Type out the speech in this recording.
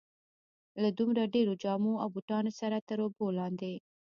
له دومره ډېرو جامو او بوټانو سره تر اوبو لاندې.